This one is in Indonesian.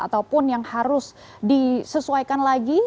ataupun yang harus disesuaikan lagi